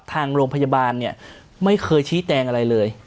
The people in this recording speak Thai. ทางโรงพยาบาลเนี่ยไม่เคยชี้แจงอะไรเลย